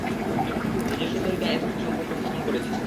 নিজস্ব তরিকায় এর সাথে সম্পর্ক স্থাপন করেছি।